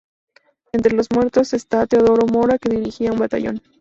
Entre los muertos está Teodoro Mora que dirigía un batallón.